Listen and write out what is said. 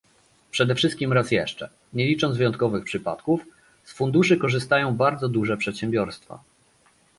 Przede wszystkim raz jeszcze, nie licząc wyjątkowych przypadków, z funduszy korzystają bardzo duże przedsiębiorstwa